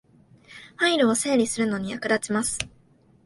ファイルを整理するのに役立ちます